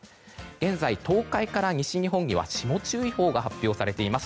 現在、東海から西日本には霜注意報が発表されています。